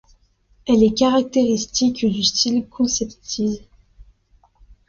Elle est caractéristique du style conceptiste.